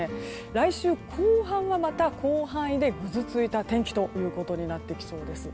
来週後半はまた広範囲でぐずついた天気となってきそうです。